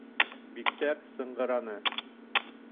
Биктәр сыңғыраны.